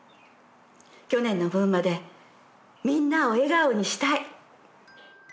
去年の分までみんなを笑顔にしたい。